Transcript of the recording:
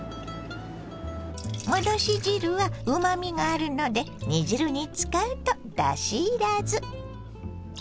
戻し汁はうまみがあるので煮汁に使うとだしいらず。